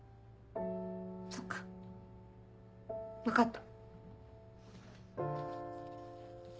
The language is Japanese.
そっか分かった。